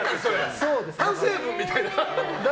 反省文みたいな。